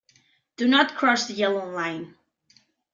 Do not cross the yellow line.